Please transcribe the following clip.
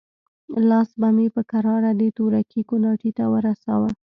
لاس به مې په کراره د تورکي کوناټي ته ورساوه.